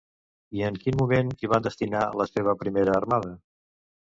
I en quin moment hi van destinar la seva primera armada?